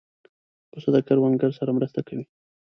پسه د کروندګر سره مرسته کوي.